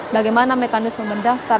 bagaimana mekanisme mendaftar